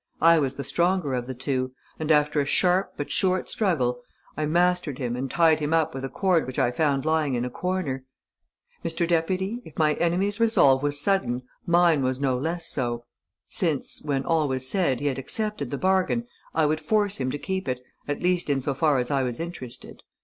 I was the stronger of the two; and after a sharp but short struggle, I mastered him and tied him up with a cord which I found lying in a corner ... Mr. Deputy, if my enemy's resolve was sudden, mine was no less so. Since, when all was said, he had accepted the bargain, I would force him to keep it, at least in so far as I was interested.